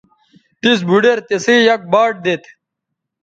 تِس بُھوڈیر تِسئ یک باٹ دیتھ